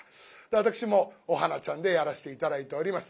私も「お花ちゃん」でやらせて頂いております。